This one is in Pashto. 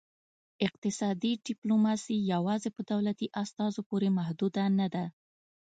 اقتصادي ډیپلوماسي یوازې په دولتي استازو پورې محدوده نه ده